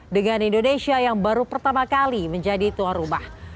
dengan indonesia yang baru pertama kali menjadi tuan rumah